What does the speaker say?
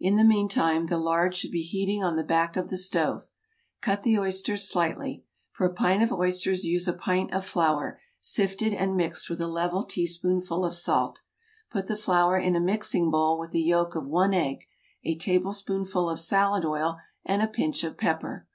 In the meantime the lard should be heating on the back of the stove. Cut the oysters slightly. For a pint of oysters use a pint of flour, sifted, and mixed with a level teaspoonful of salt. Put the flour in a mixing bowl with the yolk of one egg, a tablespoonful of salad oil, and a pinch of pepper.